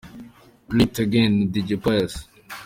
Play it again na Dj Pius.